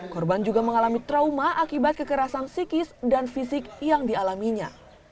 korban juga mengalami trauma akibat kekerasan psikis dan fisik yang dialaminya